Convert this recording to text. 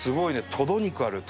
とど肉あるよ